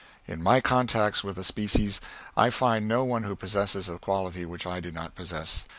In my contacts with the species I find no one who possesses a quality which I do not possess.